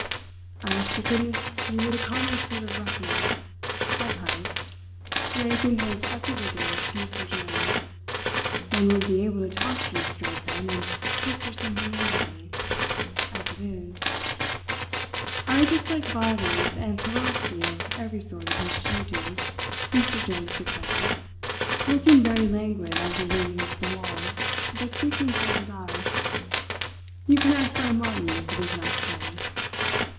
"I wish to goodness you were the commonest sort of ruffian!" said Heyst, raising his equable gaze to Mr. Jones. "One would be able to talk to you straight then, and hope for some humanity. As it is " "I dislike violence and ferocity of every sort as much as you do," Mr. Jones declared, looking very languid as he leaned against the wall, but speaking fairly loud. "You can ask my Martin if it is not so.